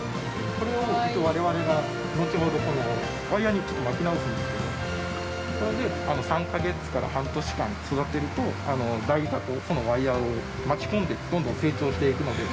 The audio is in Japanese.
◆これを、一応我々が、後ほどワイヤーに巻き直すんですけど、それで３か月から半年間育てると台座とこのワイヤーを巻き込んで、どんどん成長していくので。